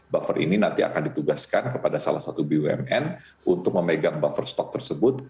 buffer ini nanti akan ditugaskan kepada salah satu bumn untuk memegang buffer stok tersebut